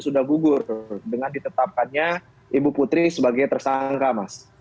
dengan ditetapkannya ibu putri sebagai tersangka mas